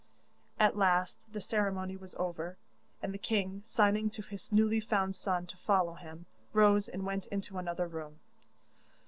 At last the ceremony was over, and the king, signing to his newly found son to follow him, rose and went into another room.